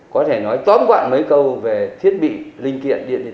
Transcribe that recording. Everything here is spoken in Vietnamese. có thể nói tóm quặn mấy câu về thiết bị linh kiện điện điện tử như vậy